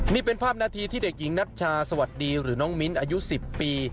นี่เป็นภาพนาทีที่เด็กหญิงนัชชาสวัสดีหรือน้องมิ้นอายุ๑๐ปี